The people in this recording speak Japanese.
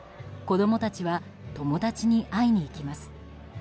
子供たちは友達に会いに行きます。